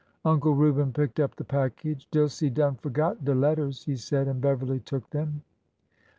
Uncle Reuben picked up the package. '^Dilsey done forgot de letters," he said, and Beverly took them.